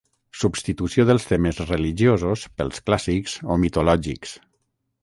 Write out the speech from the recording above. Substitució dels temes religiosos pels clàssics o mitològics.